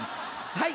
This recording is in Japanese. はい。